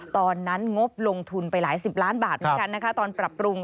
งบลงทุนไปหลายสิบล้านบาทเหมือนกันนะคะตอนปรับปรุง